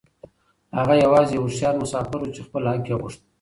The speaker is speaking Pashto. هغه يوازې يو هوښيار مسافر و چې خپل حق يې غوښت.